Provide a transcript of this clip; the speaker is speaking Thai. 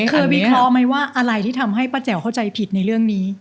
คุณพี่คล้อไหมว่าอะไรที่ทำให้ปะเจ๋วเข้าใจผิดในเรื่องนี้